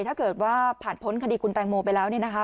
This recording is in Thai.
ถ้าเกิดว่าผ่านพ้นคดีคุณแตงโมไปแล้วเนี่ยนะคะ